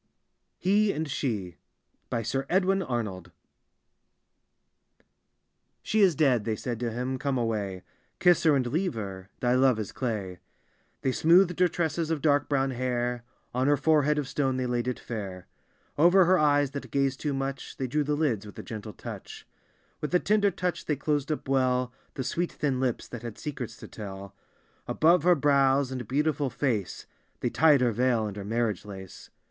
" HE AND SHE : sir edwin Arnold " She is dead I " they said to him ;" come away ; Kiss her and leave ber, — thy love is clay I " They smoothed her tresses of dark brown hair ,* On her forehead of stone they laid it fair. Over her eyes that gazed too much They drew the lids with a gentle touch; With a tender touch they closed up well The sweet thin lips that had secrets to tell; Above her brows and beautiful face They tied her veil and her marriage lace.